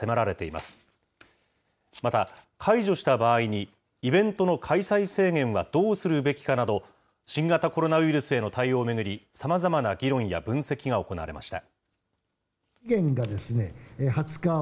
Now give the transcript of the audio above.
また、解除した場合に、イベントの開催制限はどうするべきかなど、新型コロナウイルスへの対応を巡り、さまざまな議論や分析が行われました。